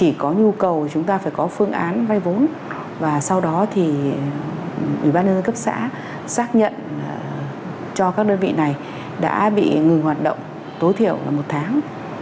chỉ có nhu cầu chúng ta phải có phương án vai vốn và sau đó thì ubnd cấp xã xác nhận cho các đơn vị này đã bị ngừng hoạt động tối thiểu là một tháng